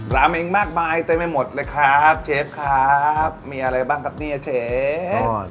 ราเมงมากมายเต็มไปหมดเลยครับเชฟครับมีอะไรบ้างครับเนี่ยเชฟ